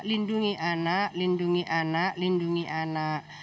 lindungi anak lindungi anak lindungi anak